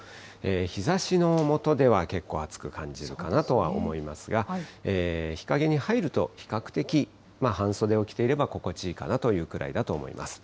日ざしの下では結構暑く感じるかなとは思いますが、日陰に入ると、比較的、半袖を着ていれば心地いいかなというぐらいだと思います。